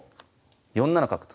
４七角と。